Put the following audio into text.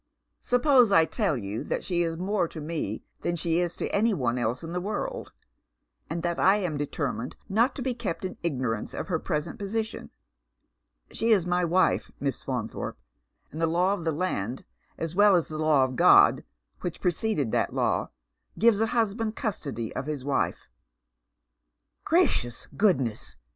Suppose I tell you that she is more to rue than she is to any one else in the world, and that I ara determined not to be kept in ignorance of her present posi tion. She is my wife. Miss Fa«nthorpe, and the law of the land, as well as the law of God which preceded that law, gives a hus band custody of his wife." "Gracious goodness!"